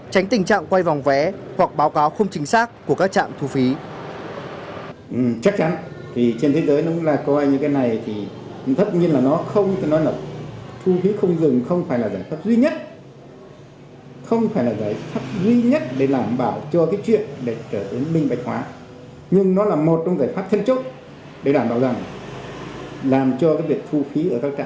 tránh tình trạng quay vòng vé hoặc báo cáo không chính xác của các trạm thu phí